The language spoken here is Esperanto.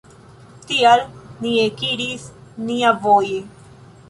Tial ni ekiris niavoje.